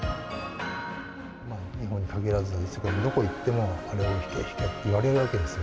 日本に限らず、世界のどこに行っても、あれを弾け弾けと言われるわけですよ。